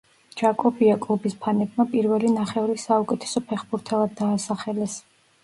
ჯაკობია კლუბის ფანებმა პირველი ნახევრის საუკეთესო ფეხბურთელად დაასახელეს.